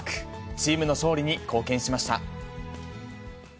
チームの勝利に貢献しました。